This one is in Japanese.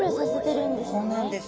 そうなんです。